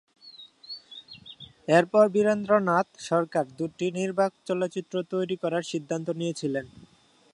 এরপর, বীরেন্দ্রনাথ সরকার দুটি নির্বাক চলচ্চিত্র তৈরি করার সিদ্ধান্ত নিয়েছিলেন।